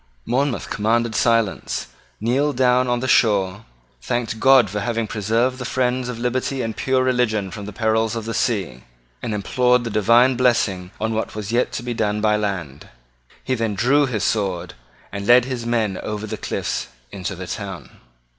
Monmouth commanded silence, kneeled down on the shore, thanked God for having preserved the friends of liberty and pure religion from the perils of the sea, and implored the divine blessing on what was yet to be done by land. He then drew his sword, and led his men over the cliffs into the town.